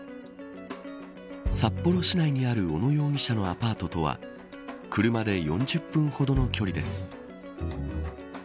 札幌市内にある小野容疑者のアパートとは車で４０分ほどの距離です。